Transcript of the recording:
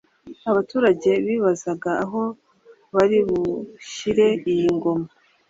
abaturage bibazaga aho baribushyire iyi ngona